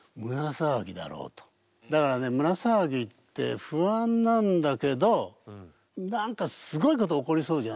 だからね胸騒ぎって不安なんだけど何かすごいことが起こりそうじゃない？